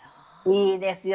いいですよね。